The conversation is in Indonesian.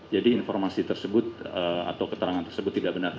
jadi informasi tersebut atau keterangan tersebut tidak benar demikian